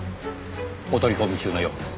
お取り込み中のようです。